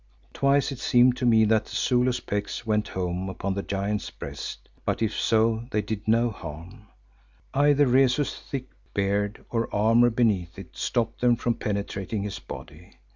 Twice it seemed to me that the Zulu's pecks went home upon the giant's breast, but if so they did no harm. Either Rezu's thick beard, or armour beneath it stopped them from penetrating his body.